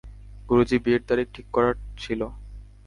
গুরুজি বিয়ের তারিখ ঠিক করার ছিল।